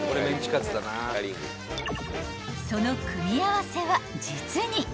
［その組み合わせは実に］